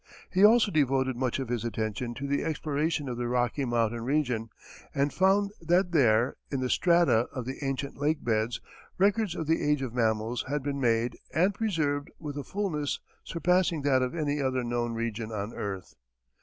He also devoted much of his attention to the exploration of the Rocky Mountain region, and found that there, in the strata of the ancient lake beds, records of the age of mammals had been made and preserved with a fulness surpassing that of any other known region on earth.